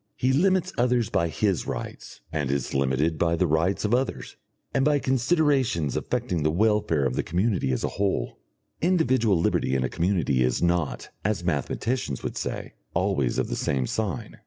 He limits others by his rights, and is limited by the rights of others, and by considerations affecting the welfare of the community as a whole. Individual liberty in a community is not, as mathematicians would say, always of the same sign.